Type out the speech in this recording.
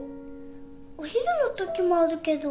お昼のときもあるけど。